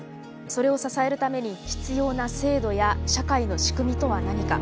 それを支えるために必要な制度や社会の仕組みとは何か。